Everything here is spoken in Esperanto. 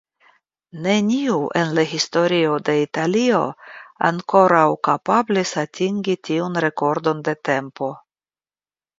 Neniu en la historio de Italio ankoraŭ kapablis atingi tiun rekordon de tempo.